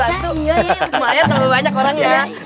banyak banyak orang ya